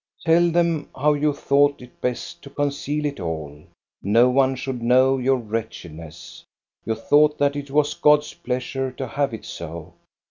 Tell them how you thought it best to conceal it all. No one should know your wretchedness. You thought that it was God's pleasure to have it so.